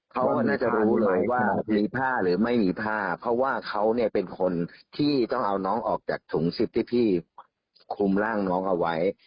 เขาน่าจะรู้เลยว่ามีผ้าหรือไม่มีผ้าเพราะว่าเขาเนี่ยเป็นคนที่ต้องเอาน้องออกจากถุงซิปที่พี่คุมร่างน้องเอาไว้